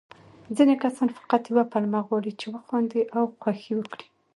ځيني کسان فقط يوه پلمه غواړي، چې وخاندي او خوښي وکړي.